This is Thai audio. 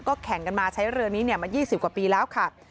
แข่งกันมาใช้เรือนี้มา๒๐กว่าปีแล้วค่ะ